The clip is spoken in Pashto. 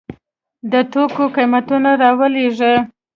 د توکو قیمتونه رالویږي.